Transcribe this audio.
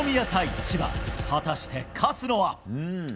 千葉果たして、勝つのは？